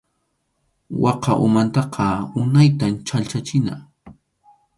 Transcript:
Waka umantaqa unaytam chhallchachina.